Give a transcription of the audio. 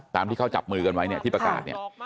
ตามที่เขาจับมือกันไว้ที่ประกาศ